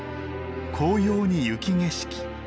紅葉に雪景色。